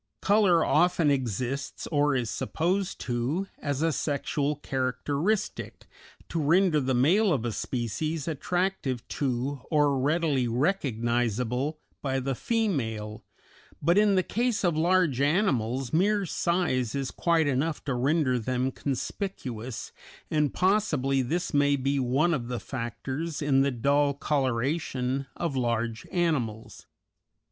Color often exists (or is supposed to) as a sexual characteristic, to render the male of a species attractive to, or readily recognizable by, the female, but in the case of large animals mere size is quite enough to render them conspicuous, and possibly this may be one of the factors in the dull coloration of large animals.